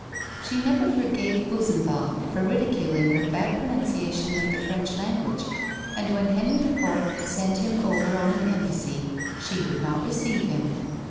She never forgave Buzenval for ridiculing her bad pronunciation of the French language; and when Henry IV. sent him over on an embassy, she would not receive him.